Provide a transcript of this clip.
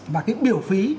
và cái biểu phí